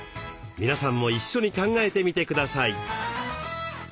皆さんも一緒に考えてみてください。